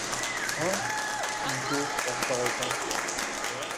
Hein ! fit Joe en s’arrêtant